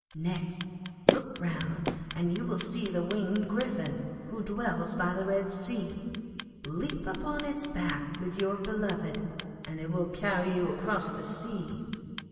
Next, look round, and you will see the winged Griffin, who dwells by the Red Sea, leap upon its back with your beloved, and it will carry you across the sea.